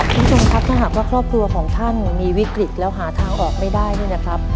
คุณผู้ชมครับถ้าหากว่าครอบครัวของท่านมีวิกฤตแล้วหาทางออกไม่ได้เนี่ยนะครับ